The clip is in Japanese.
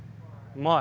うまい。